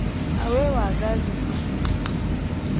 Aweyi waagazi bu.